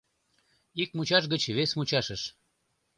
Ик мучаш гыч вес мучашыш